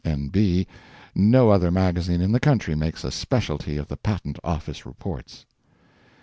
[ N. B. No other magazine in the country makes a specialty of the Patent Office Reports.